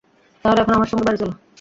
তাহলে, এখন আমার সঙ্গে বাড়ি চল?